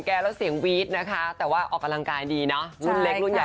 พยายามดูอยู่นะคะว่าบทไหนที่มันเหมาะกับเรา